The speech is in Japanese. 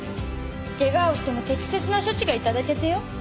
ケガをしても適切な処置が頂けてよ。